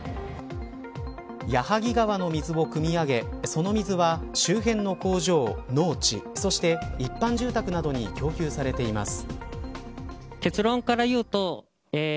矢作川の水をくみ上げ、その水は周辺の工場、農地そして一般住宅などに供給されています。